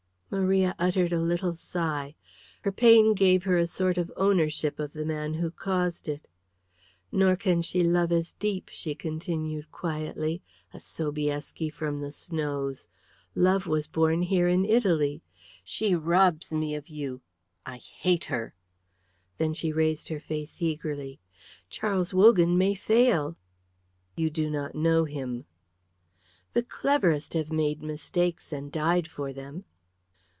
Maria uttered a little sigh. Her pain gave her a sort of ownership of the man who caused it. "Nor can she love as deep," she continued quietly. "A Sobieski from the snows! Love was born here in Italy. She robs me of you. I hate her." Then she raised her face eagerly. "Charles Wogan may fail." "You do not know him." "The cleverest have made mistakes and died for them."